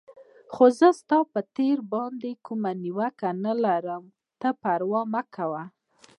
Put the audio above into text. خو زه ستا پر تېر باندې کومه نیوکه نه لرم، ته پروا مه کوه.